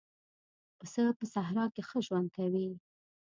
پسه په صحرا کې ښه ژوند کوي.